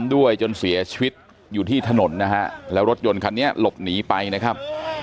ด้วยจนเสียชีวิตอยู่ที่ถนนนะฮะแล้วรถยนต์คันนี้หลบหนีไปนะครับ